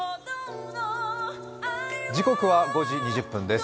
時刻は５時２０分です。